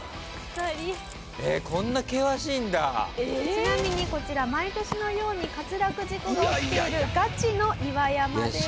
ちなみにこちら毎年のように滑落事故が起きているガチの岩山です。